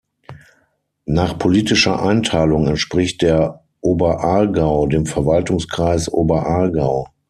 Nach politischer Einteilung entspricht der Oberaargau dem Verwaltungskreis Oberaargau.